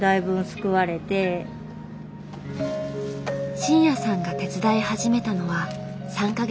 慎也さんが手伝い始めたのは３か月前から。